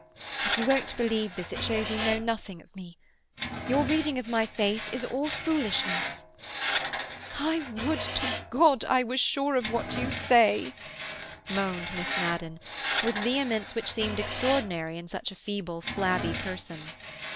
If you won't believe this it shows you know nothing of me. Your reading of my face is all foolishness." "I would to God I were sure of what you say!" moaned Miss Madden, with vehemence which seemed extraordinary in such a feeble, flabby person.